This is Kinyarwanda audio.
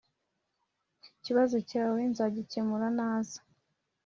Ikibazo cyawe nzagikemura naza